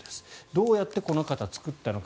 どうやってこの方は作ったのか。